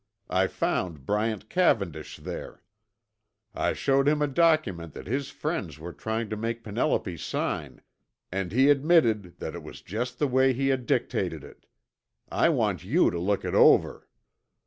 I found Bryant Cavendish there. I showed him a document that his friends were trying to make Penelope sign and he admitted that it was just the way he had dictated it. I want you to look it over."